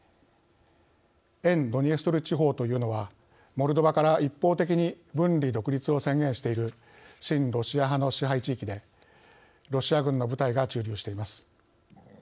「沿ドニエストル地方」というのはモルドバから一方的に分離独立を宣言している親ロシア派の支配地域でロシア軍の部隊が駐留しています。